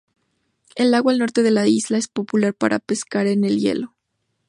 El agua al norte de la isla es popular para pescar en el hielo.